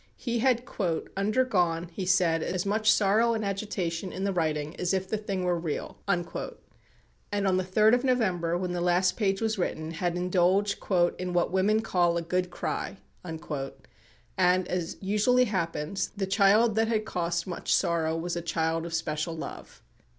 He had "undergone," he said, "as much sorrow and agitation" in the writing "as if the thing were real," and on the 3rd of November, when the last page was written, had indulged "in what women call a good cry;" and, as usually happens, the child that had cost much sorrow was a child of special love.